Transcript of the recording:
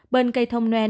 bên cây thông noen